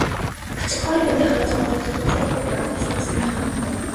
Ачигхори ноёны харваач баатрууд түрэг цэргүүдийг бороо мэт асгарах сумаар харван угтав.